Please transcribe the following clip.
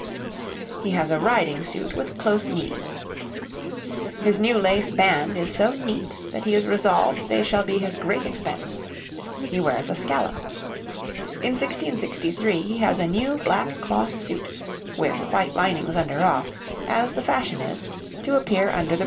He has a riding suit with close knees. His new lace band is so neat that he is resolved they shall be his great expense. He wears a scallop. In 1663 he has a new black cloth suit, with white linings under all as the fashion is to appear under the breeches.